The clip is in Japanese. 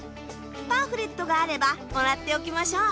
パンフレットがあればもらっておきましょう。